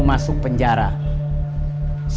sama sama seperti yang broad today